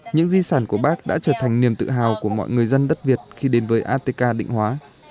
những di sản của bác đã trở thành niềm tự hào của mọi người dân đất việt khi đến với atek định hóa